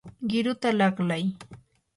qiruta laqlay.